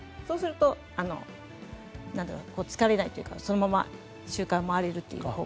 そうすると、疲れないというかそのまま周回を回れるという。